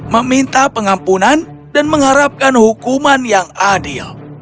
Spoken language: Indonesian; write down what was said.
meminta pengampunan dan mengharapkan hukuman yang adil